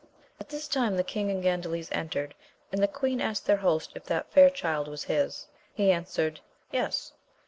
|T this time the king and Gandales entered, and the queen asked their host if that fair child was his 1 he answered, yes.